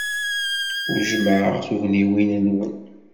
Ur jemmɛeɣ tugniwin-nwen.